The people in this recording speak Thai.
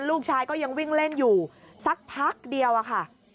ลูกชายก็ยังวิ่งเล่นอยู่สักพักเดียวอะค่ะ